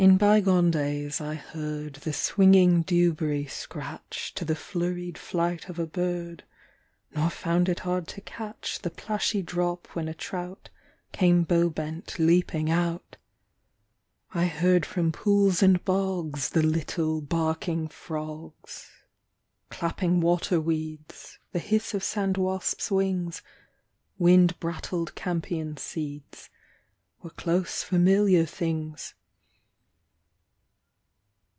In bygone days I heard The swinging dewberry scratch To the flurried flight of a bird, Nor found it hard to catch The plashy drop when a trout Came bowbent leaping out. 39 Hard of Hearing. I heard from pools and bogs The httle, barking frogs. Clapping water weeds, The hiss of sand wasps' wings, Wind brattled campion seeds. Were close familiar things.